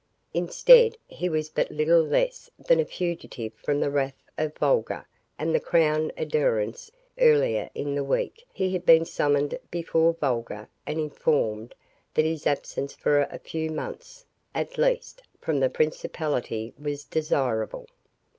Instead, he was but little less than a fugitive from the wrath of Volga and the crown adherents. Earlier in the week he had been summoned before Volga and informed that his absence for a few months, at least, from the principality was desirable.